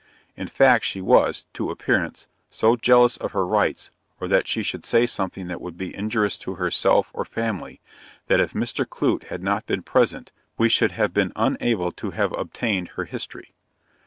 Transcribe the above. In fact she was (to appearance) so jealous of her rights, or that she should say something that would be injurious to herself or family, that if Mr. Clute had not been present, we should have been unable to have obtained her history.